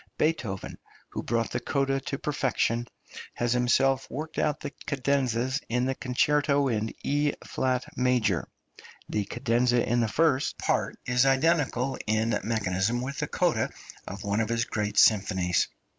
Beethoven, who brought the coda to perfection, has himself worked out the cadenzas in the Concerto in E flat major; the cadenza in the first part is identical in mechanism with the coda of one of his great symphonies.